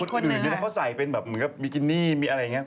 แต่คนอื่นนี่เขาใส่เป็นแบบมีกินิมีอะไรอย่างนี้